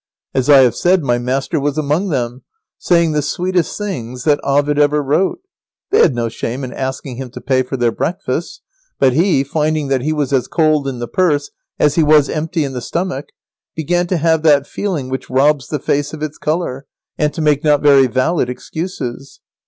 As I have said, my master was among them, saying the sweetest things that Ovid ever wrote. They had no shame in asking him to pay for their breakfasts, but he, finding that he was as cold in the purse as he was empty in the stomach, began to have that feeling which robs the face of its colour, and to make not very valid excuses.